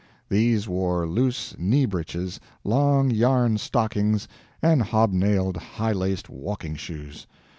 These wore loose knee breeches, long yarn stockings, and hobnailed high laced walking shoes.